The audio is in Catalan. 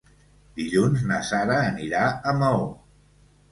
Dilluns na Sara anirà a Maó.